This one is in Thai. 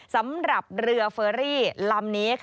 สำหรับเรือเฟอรี่ลำนี้